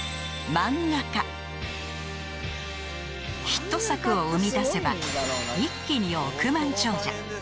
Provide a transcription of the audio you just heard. ［ヒット作を生み出せば一気に億万長者］